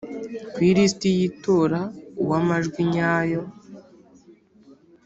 ku irisiti y itora uw amajwi nyayo